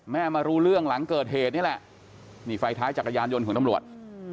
มารู้เรื่องหลังเกิดเหตุนี่แหละนี่ไฟท้ายจักรยานยนต์ของตำรวจ